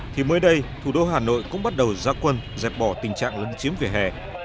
thì mới đây thủ đô hà nội cũng bắt đầu gia quân dẹp bỏ tình trạng lấn chiếm vỉa hè